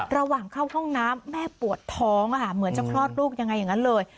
ระหว่างเข้าห้องน้ำแม่ปวดท้องเหมือนจะคลอดลูกยังไงอย่างนั้นเลย